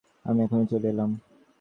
আমি এখনই চলিলাম।